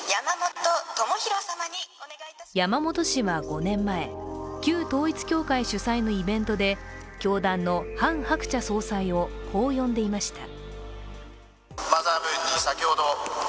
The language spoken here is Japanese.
山本氏は５年前、旧統一教会主催のイベントで教団のハン・ハクチャ総裁をこう呼んでいました。